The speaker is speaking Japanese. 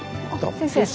先生。